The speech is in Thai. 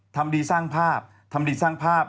ทำดีสร้างภาพทำดีสร้างภาพ